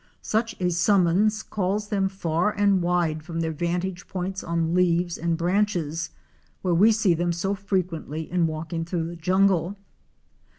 Such a summons calls them far and wide from their vantage points on leaves and branches, where we see them so frequently in walking through the jungle.